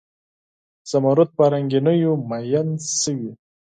زمرود په رنګینیو میین شوي